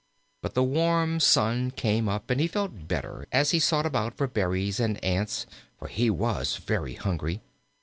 But the warm sun came up, and he felt better as he sought about for berries and ants, for he was very hungry.